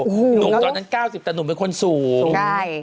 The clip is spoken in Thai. หนูตอนนั้น๙๐แต่หนูเป็นคนสูง